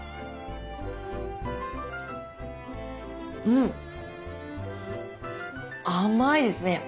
うん甘いですね。